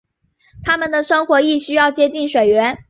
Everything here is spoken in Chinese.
它们的生活亦需要接近水源。